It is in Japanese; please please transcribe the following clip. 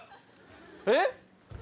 えっ？